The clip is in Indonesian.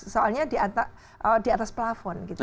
soalnya di atas pelafon gitu ya